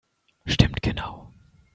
Stimmt genau!